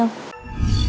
cảm ơn các bạn